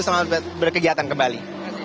selamat berkegiatan kembali